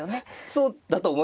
そうだと思います。